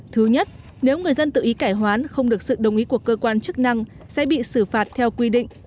thứ nhất nếu người dân tự ý cải hoán không được sự đồng ý của cơ quan chức năng sẽ bị xử phạt theo quy định